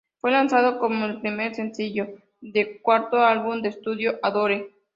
Fue lanzado como el primer sencillo su cuarto álbum de estudio "Adore".